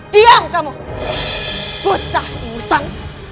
diam kamu gocah imusan